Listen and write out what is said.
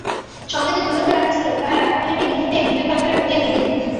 সঙ্গে যে দুই লক্ষ টাকা ছিল তাহা রাজমহলের নিকটবর্তী এক বিজন প্রান্তরে পুঁতিয়া ফেলিলেন।